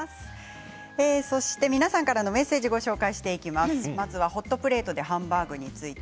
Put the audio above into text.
皆さんからのメッセージ、ご紹介していきます。